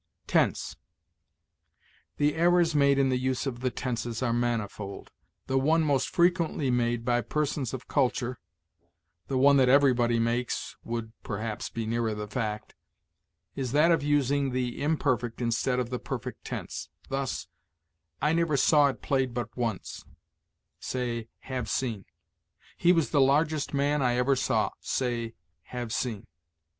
TENSE. The errors made in the use of the tenses are manifold. The one most frequently made by persons of culture the one that everybody makes would, perhaps, be nearer the fact is that of using the imperfect instead of the perfect tense; thus, "I never saw it played but once": say, have seen. "He was the largest man I ever saw": say, have seen.